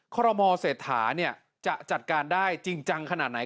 คอรมอเศรษฐาจะจัดการได้จริงจังขนาดไหน